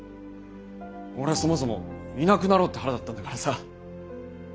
俺はそもそもいなくなろうって肚だったんだからさ。